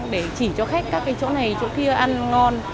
để chỉ cho khách các cái chỗ này chỗ kia ăn ngon